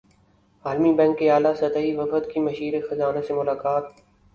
عالمی بینک کے اعلی سطحی وفد کی مشیر خزانہ سے ملاقات